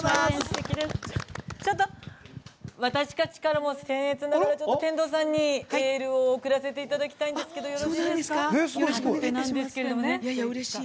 私たち、せん越ながら天童さんに、エールを送らせていただきたいんですがよろしいですか。